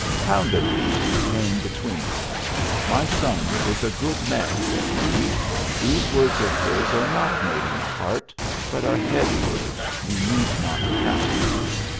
Pounded Meat came between. "My son is a good man," said he. "These words of his are not made in the heart, but are head words you need not count.